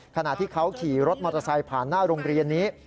ขณะที่เขาขี่รถมอเตอร์ไซค์ผ่านหน้าโรงเรียนนี้